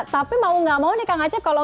tapi mau gak mau nih kak ngece